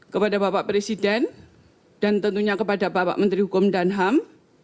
kepada bapak presiden dan tentunya kepada bapak menteri hukum dan ham